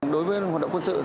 đối với hoạt động quân sự